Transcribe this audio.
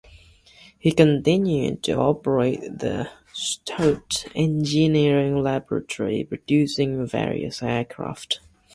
He continued to operate the Stout Engineering Laboratory, producing various aircraft.